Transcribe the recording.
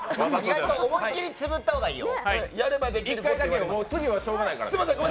思いっきりつぶった方がいいよ。